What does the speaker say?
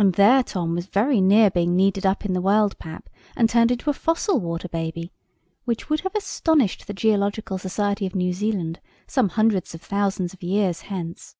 And there Tom was very near being kneaded up in the world pap, and turned into a fossil water baby; which would have astonished the Geological Society of New Zealand some hundreds of thousands of years hence.